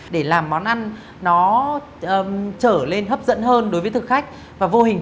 để làm món ăn trở lên hấp dẫn hơn đối với thực khách